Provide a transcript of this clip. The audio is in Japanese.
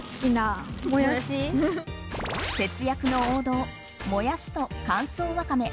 節約の王道、もやしと乾燥ワカメ